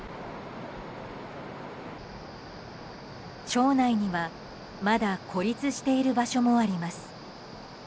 町内には、まだ孤立している場所もあります。